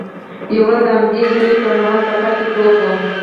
یوه ورځ د همدې ژېړي پر مهال په کټ کې پروت وم.